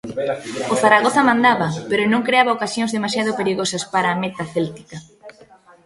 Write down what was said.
O Zaragoza mandaba, pero non creaba ocasións demasiado perigosas para a meta céltica.